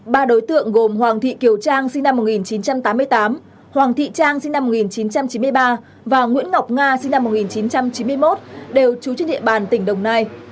ba đối tượng gồm hoàng thị kiều trang sinh năm một nghìn chín trăm tám mươi tám hoàng thị trang sinh năm một nghìn chín trăm chín mươi ba và nguyễn ngọc nga sinh năm một nghìn chín trăm chín mươi một đều trú trên địa bàn tỉnh đồng nai